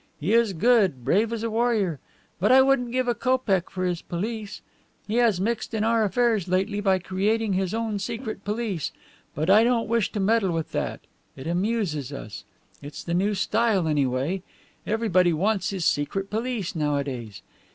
He is good, brave as a warrior, but I wouldn't give a kopeck for his police. He has mixed in our affairs lately by creating his own secret police, but I don't wish to meddle with that. It amuses us. It's the new style, anyway; everybody wants his secret police nowadays.